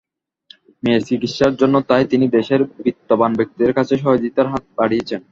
মেয়ের চিকিৎসার জন্য তাই তিনি দেশের বিত্তবান ব্যক্তিদের কাছে সহযোগিতার হাত বাড়িয়েছেন।